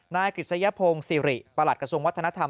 นายกิจสัยพงษ์ซิริประหลักกระทรวงวัฒนธรรม